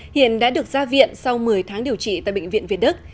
hiện đã được ra viện sau một mươi tháng điều trị tại bệnh viện việt đức